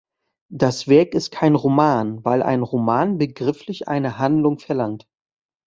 Das Werk ist kein Roman, weil ein Roman begrifflich eine Handlung verlangt.